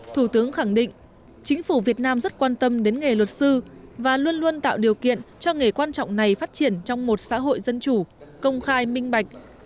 thủ tướng khẳng định chính phủ việt nam rất quan tâm đến nghề luật sư và luôn luôn tạo điều kiện cho nghề quan trọng này phát triển trong một xã hội dân chủ công khai minh bạch